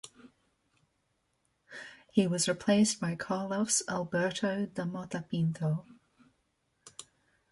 He was replaced by Carlos Alberto da Mota Pinto.